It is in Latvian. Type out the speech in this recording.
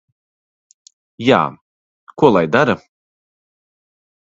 Jā. Ko lai dara?